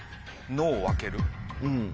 野を分ける？